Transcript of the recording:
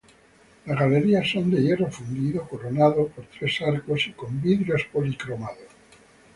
Las galerías son de hierro fundido, coronado por tres arcos y con vidrios policromados.